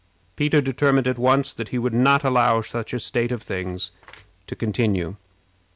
Peter determined at once that he would not allow such a state of things to continue.